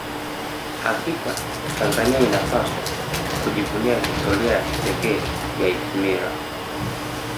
hakika tanzania inapaswa kujivunia historia ya kipekee ya isimila